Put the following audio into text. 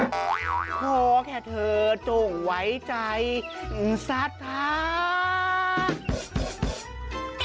พอแค่เธอจงไว้ใจสัตว์ท้าย